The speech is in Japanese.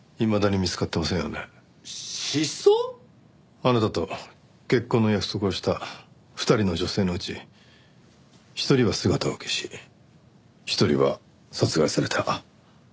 あなたと結婚の約束をした二人の女性のうち一人は姿を消し一人は殺害された。